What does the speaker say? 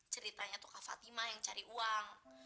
ceritanya tuh kak fatima yang cari uang